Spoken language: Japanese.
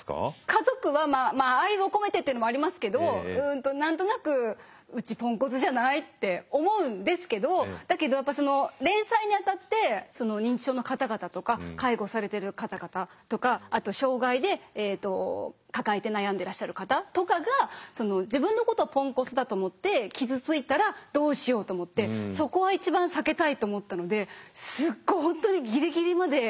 家族はまあ愛を込めてっていうのもありますけど何となく「うちポンコツじゃない？」って思うんですけどだけどやっぱ連載にあたって認知症の方々とか介護されてる方々とかあと障害で抱えて悩んでらっしゃる方とかが自分のことをポンコツだと思って傷ついたらどうしようと思ってそこは一番避けたいと思ったのですごい本当にギリギリまで悩みましたね。